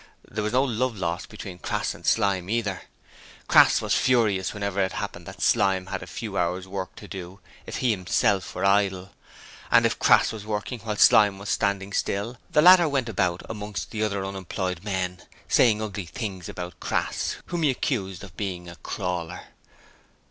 There was no love lost between Crass and Slyme either: Crass was furious whenever it happened that Slyme had a few hours' work to do if he himself were idle, and if ever Crass was working while Slyme was 'standing still' the latter went about amongst the other unemployed men saying ugly things about Crass, whom he accused of being a 'crawler'.